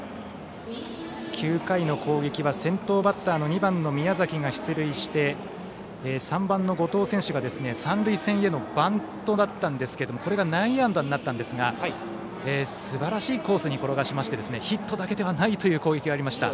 ９回の攻撃は先頭バッターの２番、宮崎が出塁して３番の後藤選手が三塁線へのバントだったんですけれどもこれが内野安打になったんですがすばらしいコースに転がしましてヒットだけではないという攻撃がありました。